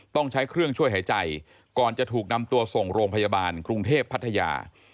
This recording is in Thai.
ต้องใช้เครื่องช่วยหายใจก่อนจะถูกนำตัวส่งโรงพยาบาลกรุงเทพพัทยา